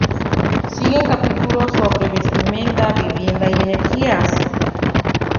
Siguen capítulos sobre vestimenta, vivienda y energías.